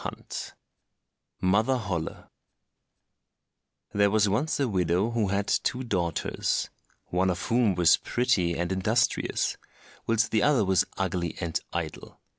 24 Mother Holle There was once a widow who had two daughters—one of whom was pretty and industrious, whilst the other was ugly and idle.